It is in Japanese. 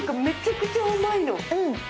めちゃくちゃ甘いの。